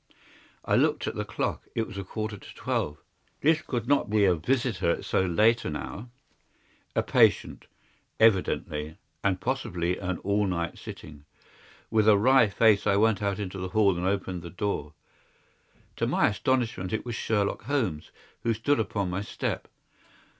I looked at the clock. It was a quarter to twelve. This could not be a visitor at so late an hour. A patient, evidently, and possibly an all night sitting. With a wry face I went out into the hall and opened the door. To my astonishment it was Sherlock Holmes who stood upon my step.